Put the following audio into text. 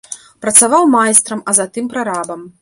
Працаваў майстрам, а затым прарабам.